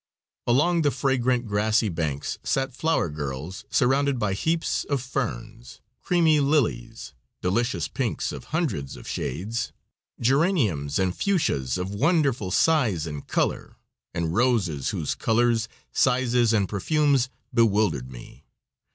Along the fragrant, grassy banks sat flower girls surrounded by heaps of ferns, creamy lilies, delicious pinks of hundreds of shades, geraniums and fuchsias of wonderful size and color, and roses whose colors, sizes and perfumes bewildered me.